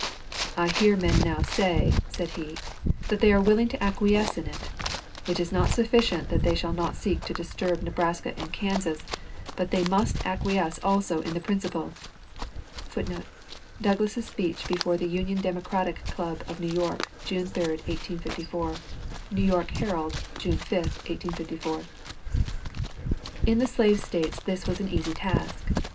"I hear men now say," said he, "that they are willing to acquiesce in it.... It is not sufficient that they shall not seek to disturb Nebraska and Kansas, but they must acquiesce also in the principle." [Footnote: Douglas's speech before the Union Democratic Club of New York, June 3, 1854. New York "Herald," June 5, 1854.] In the slave States this was an easy task.